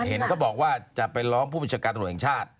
เห็นเขาบอกว่าจะไปร้องผู้บัญชาการตำรวจแห่งชาติ